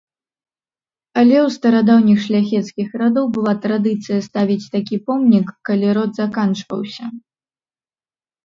Але ў старадаўніх шляхецкіх радоў была традыцыя ставіць такі помнік, калі род заканчваўся.